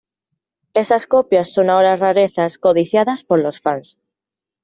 Esas copias son ahora rarezas codiciadas por los fans.